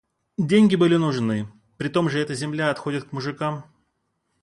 Деньги были нужны; притом же эта земля отходит к мужикам.